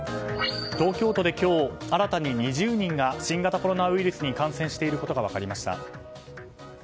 東京都で今日新たに２０人が新型コロナウイルスに感染していることが分かりました。